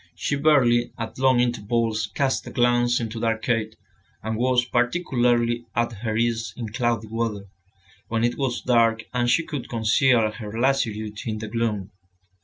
She barely, at long intervals, cast a glance into the arcade, and was particularly at her ease in cloudy weather, when it was dark and she could conceal her lassitude in the gloom.